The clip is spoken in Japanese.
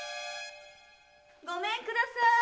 ごめんください。